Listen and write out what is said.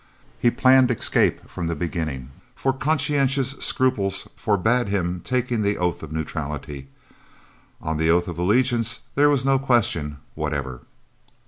He planned escape from the beginning, for conscientious scruples forbade his taking the oath of neutrality. Of the oath of allegiance there was no question whatever.